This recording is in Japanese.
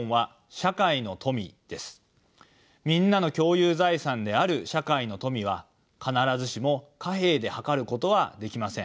みんなの共有財産である社会の富は必ずしも貨幣ではかることはできません。